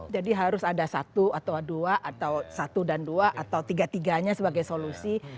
jadi harus ada satu atau dua atau satu dan dua atau tiga tiganya sebagai solusi